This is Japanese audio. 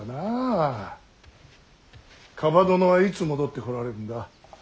蒲殿はいつ戻ってこられるんだ。